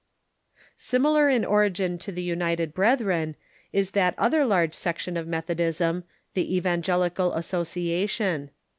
Similar in origin to the United Brethren is that other large section of Methodism, the Evangelical Association.